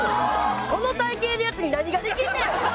この体形のヤツに何ができんねん！